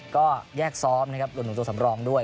ก็แยกซ้อมนะครับรวมถึงตัวสำรองด้วย